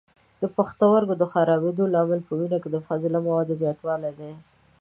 د پښتورګو د خرابېدلو لامل په وینه کې د فاضله موادو زیاتولی دی.